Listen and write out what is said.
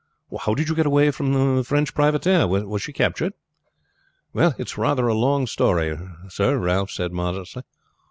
"But how did you get away from the French privateer was she captured?" "Well, it is rather a long story, sir," Ralph said modestly.